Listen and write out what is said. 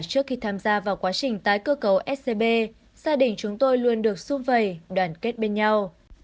trước khi tham gia vào quá trình tái cơ cấu scb gia đình chúng tôi luôn được xung vầy đoàn kết bên nhau